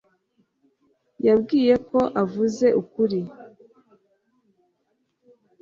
yambwiye ko uvuze ukuri